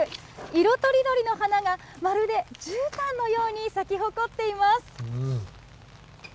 色とりどりの花が、まるでじゅうたんのように咲き誇っています。